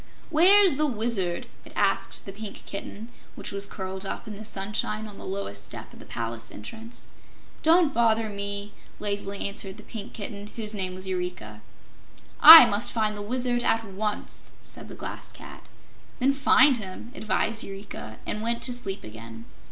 "Where's the Wizard?" it asked the Pink Kitten, which was curled up in the sunshine on the lowest step of the palace entrance. "Don't bother me," lazily answered the Pink Kitten, whose name was Eureka. "I must find the Wizard at once!" said the Glass Cat. "Then find him," advised Eureka, and went to sleep again.